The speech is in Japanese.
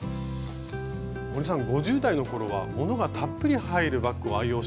森さん５０代の頃はものがたっぷり入るバッグを愛用していたんですね。